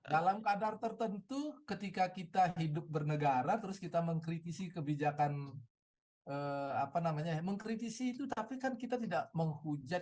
dalam kadar tertentu ketika kita hidup bernegara terus kita mengkritisi kebijakan mengkritisi itu tapi kan kita tidak menghujat